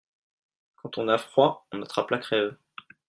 Quand on a froid on attrape la crève.